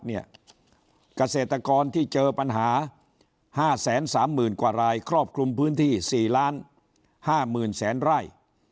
เกษตรกรที่เจอปัญหา๕๓๐๐๐กว่ารายครอบคลุมพื้นที่๔๕๐๐๐๐ไร่